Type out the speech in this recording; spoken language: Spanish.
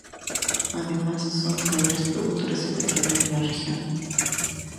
Además, son los mayores productores de petróleo de la región.